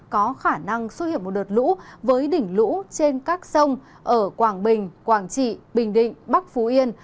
có khả năng xuất hiện một đợt lũ với đỉnh lũ trên các sông ở quảng bình quảng trị bình định bắc phú yên